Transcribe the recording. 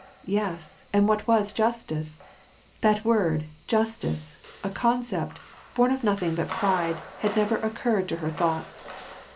Yes, and what was justice ? That word " justice "— a con cept^ bom of nothing but pride — had never occurred to her thoughts.